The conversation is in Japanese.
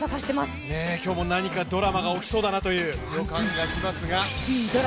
今日も何かドラマが起きそうだなという予感がしますが。